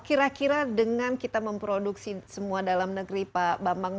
kira kira dengan kita memproduksi semua dalam negeri pak bambang